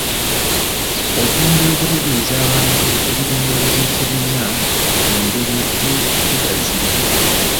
Okwongera okutegeeza abantu ebigendererwa by'ekibiina mu ngeri ey'okukigaziya.